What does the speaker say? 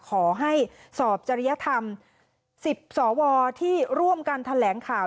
ขอให้สอบจริยธรรม๑๐สวที่ร่วมกันแถลงข่าว